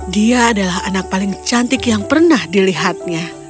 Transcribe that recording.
dia adalah anak paling cantik yang pernah dilihatnya